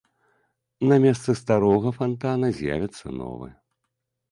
На месцы старога фантана з'явіцца новы.